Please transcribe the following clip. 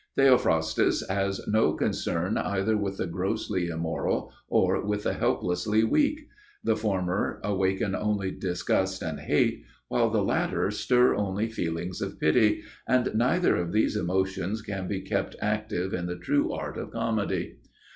Theophrastus has no concern either with the grossly immoral or with the helplessly weak; the former awaken only disgust and hate, while the latter stir only feelings of pity, and neither of these emotions can be kept active in the true art of comedy.